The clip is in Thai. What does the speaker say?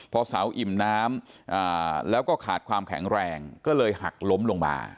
พอเสาอิ่มน้ำแล้วก็ขาดความแข็งแรงก็เลยหักล้มลงมา